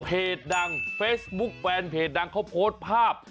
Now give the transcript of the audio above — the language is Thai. ดังเฟซบุ๊คแฟนเพจดังเขาโพสต์ภาพ